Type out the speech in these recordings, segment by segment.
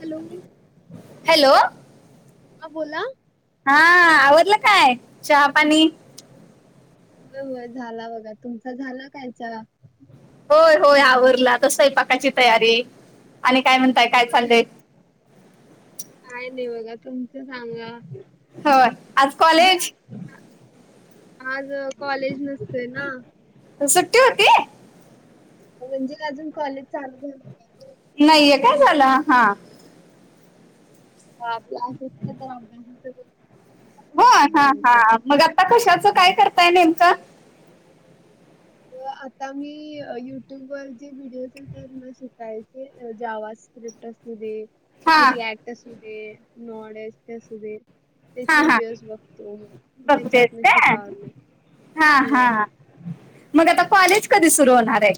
Hello hello हा बोला हा आवरलं काय? चहा पाणी होय होय झाला बघा, तुमचा झालं काय च्या? होय होय आवरला, आता स्वयंपाकाची तयारी आणि काय म्हणताय काय होय चाललंय? काय नाही बघा तुमचं सांगा. हो आज झा कॉलेज आज कॉलेज नसतय ना सुट्टीवरती म्हणजे अजून कॉलेज चालू झाले नाही. ओ. नाहीये काय झालं हा हा क्लासेच नाही तर अभ्यास व्हय हा हा मग आता कशाचं काय करताय नेमकं? तर आता मी युट्युब वर जे व्हिडिओ येतात ना शिकायचे जावा स्क्रिप्ट असू दे हा रियक्ट असू दे नॉलेजचे असु दे हा त्याचे हा व्हिडिओज बघतो बघतेस त्याच्यातन काय शिकाय हा लागलोय व्हय हा व्हय मग आता कॉलेज कधी सुरू होणार आहे.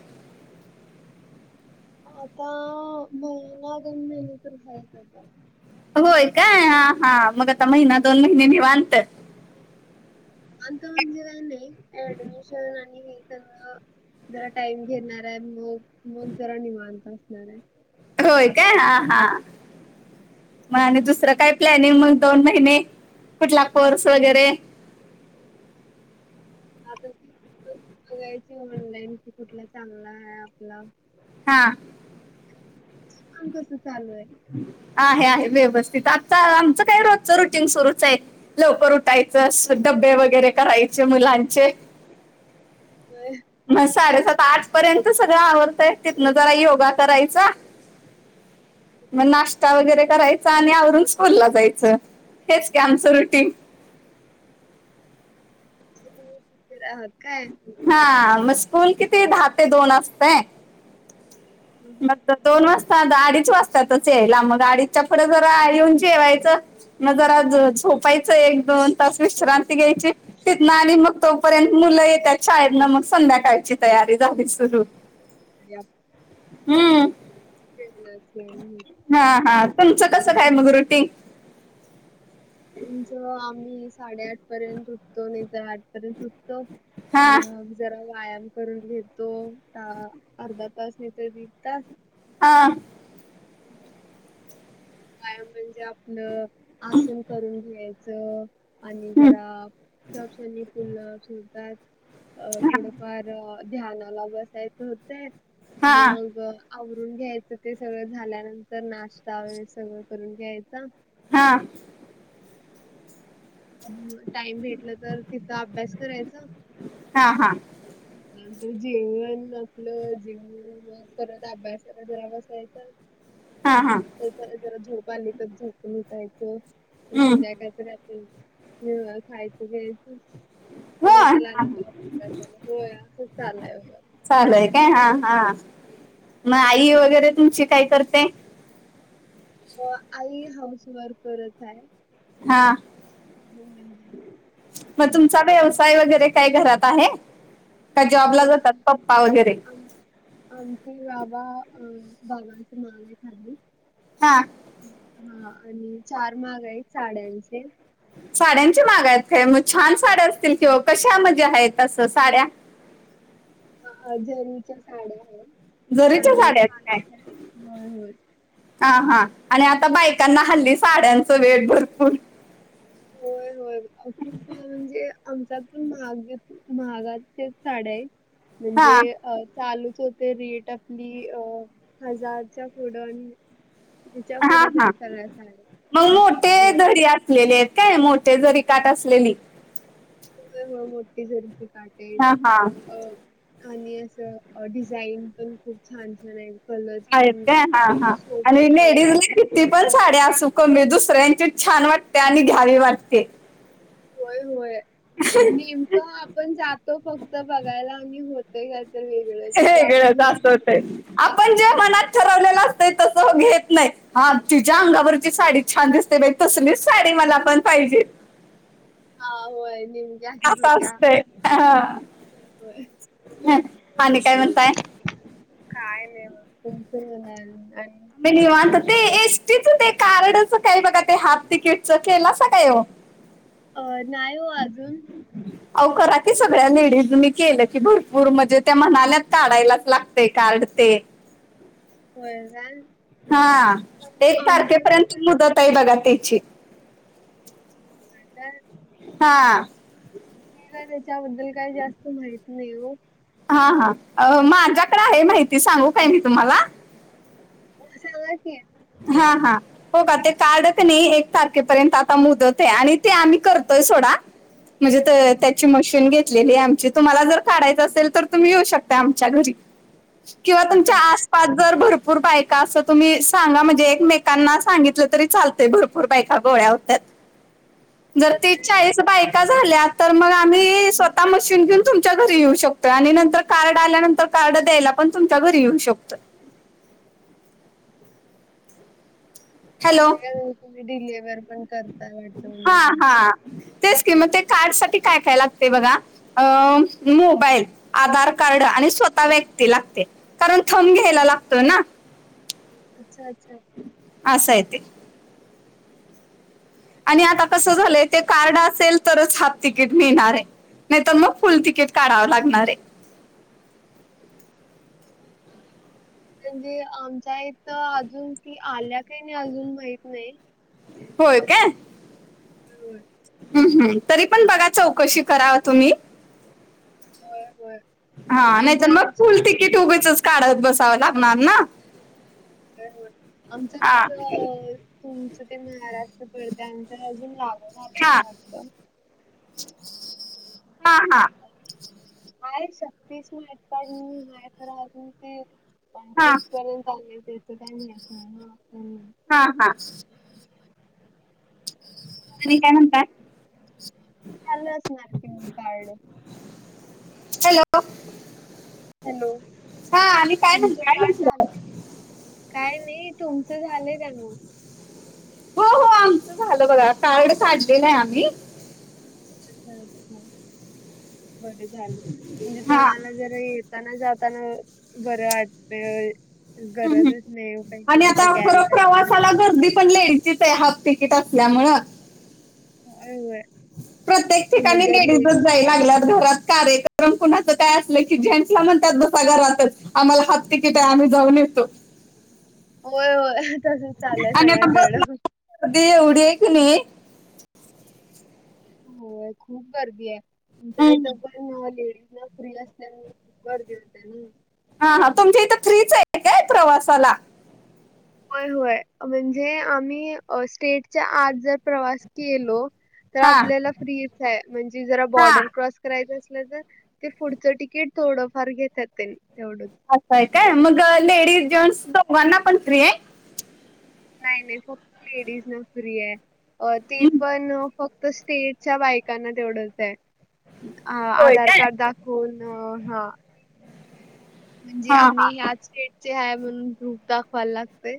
आता महिना दोन महिने तर व्हायचं आता होय काय हा हा मग आता महिना दोन महिनेनी निवांत. आमचं म्हणजे काय नाही अऍडमिशन आणि हे तर जरा टाइम घेणार आहे मग मग जरा निवांत असणार हाय. होय काय हा हा मग आणि दुसरं काय प्लॅनिंग मग दोन महिने कुठला कोर्स वगैरे आता ते बघायची ऑनलाईन की कुठला चांगला हाय आपला हा काम कसं चालू हाय? आहे आहे व्यवस्थित आता आमचं काय रोजच रुटींग सुरूच आहे. लवकर उठायचं असं डब्बे वगैरे करायचे मुलांचे होय मग साडेसात आठ पर्यंत सगळं आवरंतय तिथनं जरा योगा करायचा मग नाष्टा वगैरे करायचा आणि आवरून स्कूलला जायचं. हेच की आमचं रुटीन [unintelligible] हा मग स्कूल किती दहा ते दोन असतयं. हं, हं. मग दोन वाजतात आता अडीच वाजतातच यायला मग अडीचच्या पुढं जरा येऊन जेवायचं. मग जरा ज झोपायचं एक दोन तास विश्रांती घ्यायची. तिथनं आणि मग तोपर्यंत मुलं येत्यात शाळेतनं मग संध्याकाळची तयारी झाली सुरू. [unintelligible] हम्म. [unintelligible] हा हा. तुमचं कसं काय मग रुटीन? आमचं आम्ही साडेआठ पर्यंत उठतो. नाही तर आठ- पर्यंत उठतो. हा मग - जरा व्यायाम करून घेतो. अर्धा तास नाही तर एक तास- हा. व्यायाम म्हणजे आपलं आसन करून घ्यायचं- आणि हम्म, जरा [unintelligible] हा थोडंफार- ध्यानाला बसायचं होतंय. हा मग- आवरून घ्यायचं. ते सगळं झाल्यानंतर नाष्टा वगैरे सगळं करून घ्यायचा - हा. टाईम भेटलं तर तिच अभ्यास करायचं. हा हा. नंतर जेवण आपलं जेवण. परत अभ्यासाला जरा बसवायच. हा हा. तर ज जरा झोप आली तर झोपून उठायचं. हम्म संध्याकाळच राहत- खायच प्यायचं हो हा, नंतर- हा. होय असंच चालू आहे बघा. चालू आहे काय? हा हा. मग आई वगैरे तुमची काय करते? म आई हाऊस वर्करच हाय. हा. मग हम्म. तुमचा व्यवसाय वगैरे काहि घरात आहे? का जॉबला होय. जातात आम पप्पा वगैरे -आम - आमचे बाबा अ बाबांची माग आहे खाली. हा. हा आणि चार माग आहेत साड्यांचे. साड्यांचे माग आहेत काय? मग छान साड्या असतील की ओ कशामध्ये आहेत असं साड्या? जरीच्या साड्या आहेत जरीच्या आणि साड्या आहेत काय शालाच्या आहेत. होय होय हा हा आणि आता बायकांना हल्ली साड्यांचं वेड भरपूर- होय ह होय. खूप म्हणजे आमच्या पण महाग महागाच्या साड्या आहेत. हा म्हणजे अ चालूच होते रेट आपली अ हजारच्या पुढं आणि- तिच्या हा पुढं हा. जायत सगळ्या साड्या. मग मोठे होय. जरी - असलेले आहेत काय? मोठे जरी काठ असलेली. होय होय. मोठे जरीचे काठ आहेत. हा हा अ- आणि असं डिझाईन पण खूप छान छान आहेत. आहेत काय? हा हा आणि कलर लेडीज- ती पण साडी असूनं कानी दुसऱ्यांचीच छान वाटते आणि घ्यावी वाटते. होय होय नेमकं आपण जातो फक्त बघायला आणि होतय का- तर वेगळ तर ते आपण वेगळंच घेऊनच असं ते येतो. आपण जे मनात ठरवलेलं असतंय तसं घेत नाहीत. हा. तुझ्या अंगावरची साडी छान दिसते बाई. तसलीच साडी मला पण पाहिजे. हा होय. हम्म. असतय होय. आणि, काय म्हणताय. काय नाही म तुमच, म्हणाल आणि, मग निवांत ते, एसटीच ते कार्डच काय बघा, ते हाफ तिकीटच केलासा काय ओ. अ नाही हो अजून, अव करा की, सगळ्या लेडीज मी केलं की, भरपूर म्हणजे त्या म्हनाल्यात काढायलाच लागतंय. ते, कार्ड ते, होय. होय आन - हा. एक तारखेपर्यंतची काय मुदत आहे बघा त्याची. ह तर. हा. मला त्याच्याबद्दल काही जास्त माहित नाहीए. हा हा. अहो, माझ्याकडे आहे माहिती. सांगू काय मी तुम्हाला? म सांगा की, हा, हा, हो का ते कार्ड कानी, एक तारखेपर्यंत आता मुदत आहे. आणि ते आम्ही करतोय सोडा, म्हणजे त्याची, मशीन घेतलेली. आमची, तुम्हाला जर काढायचं असेल तर, तुम्ही येऊ शकता आमच्या घरी. किंवा तुमच्या होय काय आसपास जर, भरपूर बायका अस तुम्ही सांगा म्हणजे एकमेकांना सांगितलं तरी चालतय, भरपूर बायका गोळ्या होत्यात. जर होय तीस, काय चाळीस बाईक, झाल्या तर मग आम्ही, स्वतः मशीन घेऊन तुमच्या घरी येऊ शकतोय, आणि नंतर कार्ड आल्यानंतर कार्ड द्यायला पण, तुमच्या घरी येऊ शकतं. हॅलो [unintelligible] तुम्ही डिलेव्हर पण कर हा हा तेच कि म ते कार्ड साठी, काय काय लागते बघा, अ मोबाईल, आधार कार्ड, आणि स्वतः व्यक्ती लागते. कारण, थंम घ्यायला लागतो ना, अच्छा, अच्छा, असं आहे ते, आणि आता अच्छा. कसं झालंय ते, कार्ड असेल तरच, हाफ तिकीट मिळणार आहे, नाही तरर मग फुल तिकीट काढाव लागणार आहे. म्हणजे आमच्या इथं, अजून ती आल्या की, नाही अजून माहित नाही. होय काय, होय, ह् हम्, तरी पण बघा, चौकशी कराव तुम्ही. होय, होय, हा म्हणजे नाहीतर मग, आमचं फुल तिकीट उगीचच काढत बसावं लागणार ना. हो आमचं हा कसं, तुमचं ते महाराष्ट्र पडते, आमच्या अजून ग, हा, हा, हा, आहे शक्तीस माहिती पण मी [unintelligible] खरं अजून ते, पण हा खूठपर्यंत आले, त्याच काही माहित नाही ना्, हा, हा, [unintelligible] काय म्हतत, चाल असणार कि म कार्ड, हॅलो? हॅलो! हा आणि काय तुमचं म्हणताय कार्ड झाल, म्हटलं काय नाही तुमचं झालंय, [unintelligible] हो, हो, आमचं झालं बघा कार्ड काढलंल आहे, आम्ही. अच्छा, अच्छा बर झाले म्हणजे हा तुम्हाला जरा येत, जाताना, जातना बर वाटते. गरजच नाही का तर, आणि आता कुठं कॅरी खरं करायच्या, प्रवासाला गर्दी पण लेडीजच आहे, हाफ तिकीट असल्यामुळे. होय, होय, प्रत्येक ठिकाणी म्हणजे लेडीज लेडीजच जाय लात घरात कार्यक्रम कुणाचं काय असलं की जेंट्सला म्हणतात बसा घरात आम्हाला हाफ तिकीट आहे आम्ही जाऊन येतो होय होय तसच चाललंय आणि आता सगळ्यांकड बसला गर्दी एवढी आहे की नाही, होय, खूप गर्दी आहे, आमच्या इथं पण लेडीज ना फ्री असते. गर्दी होते ना, हा, हा तुमच्या इथं फ्री च आहे काय? प्रवासाला, होय होय म्हणजे आम्ही स्टेटच्या आज जर प्रवास केलो तर हा आपल्याला फ्रीच आहे म्हणजे जरा हा बॉर्डर क्रॉस करायचं असलं तर ते पुढच तिकीट थोडंफार घेतात त्यां तेवढंच असं आहे काय मग लेडीज हो. जेंट्स दोघांना पण फ्री आहे नाही नाही फक्त लेडीज ना फ्री आहे ते पण फक्त त स्टेटच्या बायकांना तेवढंच आहे होय आधार काय कार्ड दाख होन हा म्हणजे हा आम्ही हा ह्याच स्टेटचे आहे म्हणून ग्रुप दाखवायला लागतो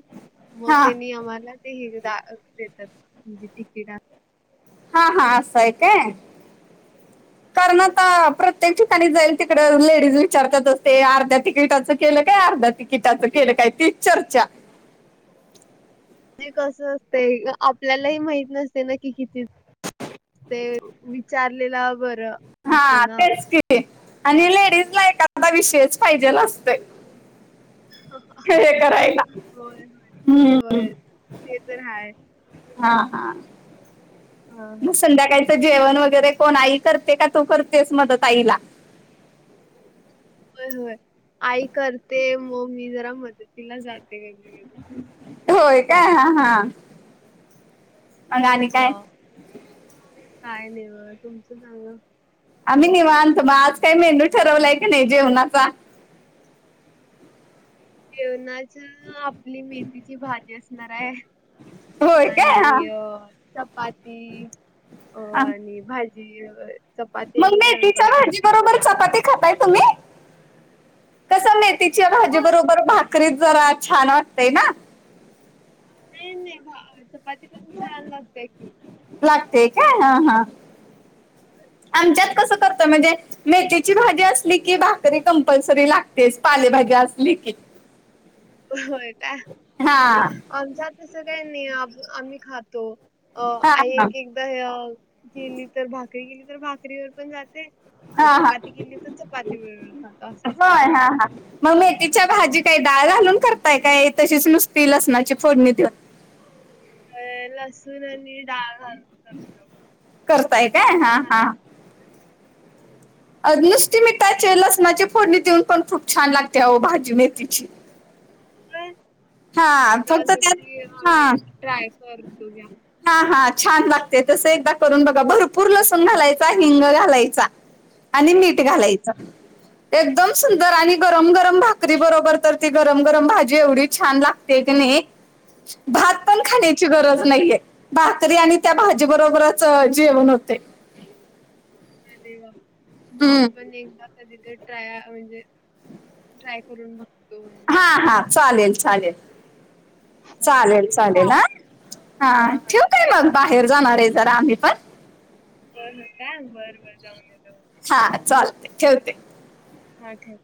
मग हा तेनी आम्हाला ते देतात म्हणजे तिकीट हा हा अस येतय कारण आता प्रत्येक ठिकाणी जाईल तिकड लेडीज विचारतात असते अर्ध्या तिकिटाचं केलं काय अर्ध्या तिकिटाचं केलं काय ती चर्चा तेे कस असत आपल्यालाही माहित नसते ना कि किती विचारले ब हा तेच कि आणि लेडीज ला एखादा विषयच पाहिजे असते हे करायला होय होय हम्म होय ते तर हाय हा हा हा संध्याकाळीच जेवण वगैरे कोण आई करते का तू करतेस मदत आईला होय होय आई करते मग मी जरा मदतीला जाते कधी कधी होय काय हा हा मग आणि हा काय काय नाही ब तुमचं सांग आम्ही निवनतो मग आज काही मेंदू ठरवलाय की नाही जेवणाचा जेवणाच आपली मेथीची भाजी असणार आहे होय काय हा आणि अ चपाती अ हा. आणि भाजी जी अ चपाती मग आणि मी काय म्हणतो आपण तिचजी बरोबरचत तु्ी हो करीत जरा छान वाटतेय ना नाही नाही चपाती पण छान लागते की लागते का ह हा आमच्यात कस कर म्हणजे मेथीची भाजी असली की भाकरी कंपल्सरी लागते पालेभाजी असली की हो हा आमच्यासं काही नाही आम्ही खातो अ हा आ हा एक एक केेली तर भाकरी केेली तर भाकरीवर पण जाते हा हा चपाती केेली तर चपाती व खातो असं असते होय ना हा हा मग मेथीच्या भाजी काही डाळ घालून करताय काय तशीच नुसती लसणाची फोडणी देऊन अ लसूण आणि डाळ घाल करताय काय? हा छान हा. अ नुसती मिठाचे लसणाचे फोडणी देऊन पण, खूप छान लागते आओ भाजी मेथीची. हा एकदा फक्त त्यात नक्की आम्ही हा ट्राय करतो या. हा हा छान लागते, तस एकदा करून बघा, भरपूर लसूण घालायचा, हिंग घालायचा. आणि मीठ घालायचं. एकदम सुंदर, आणि गरम गरम भाकरी बरोबर, तर ती गरम गरम भाजी एवढी छान लागते क नाही भात पण खाण्याची गरज नाहीये भाकरी आणि त्या भाजी बरोबरच जेवण होते अे वा हम्म माल बन एकला कधी तर ट्राय म्हणजे ट्राय करून बघतो म्हण हा हा चालेल चालेल चालेल सांगते. चालेल चाल. ह हा ठेवक आहे मग बाहेर जाणार आहे जरा आम्ही पण बर का? बर बरं जाऊन जाऊन येतो. हा चालते, ठेवते. हा ठेव.